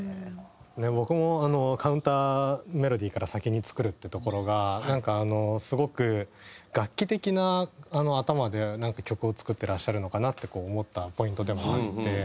僕もカウンター・メロディーから先に作るってところがなんかあのすごく楽器的な頭で曲を作ってらっしゃるのかなって思ったポイントでもあって。